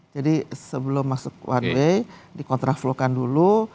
jadi sebelum masuk one way di kontraflow kan dulu